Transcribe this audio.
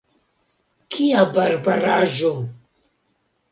Kia barbaraĵo!